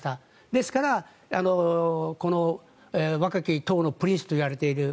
ですから、若き党のプリンスといわれている